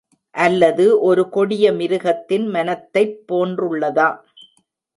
அல்லது ஒரு கொடிய மிருகத்தின் மனத்தைப் போன்றுளதா?